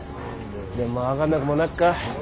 でもまあ分がんなぐもなっか。